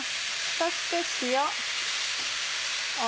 そして塩。